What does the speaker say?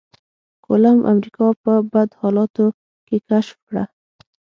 کولمب امريکا په بد حالاتو کې کشف کړه.